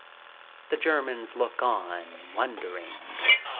The Germans look on, won dering.